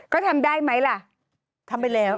ก็ทำได้ไหมล่ะทำไปแล้ว